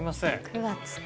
９月か。